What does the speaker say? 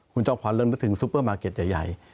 คุณจอมขวัญเริ่มนึกถึงซุปเปอร์มาร์เก็ตใหญ่